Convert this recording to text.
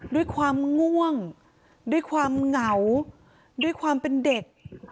ง่วงด้วยความเหงาด้วยความเป็นเด็ก